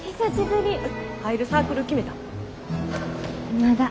入るサークル決めた？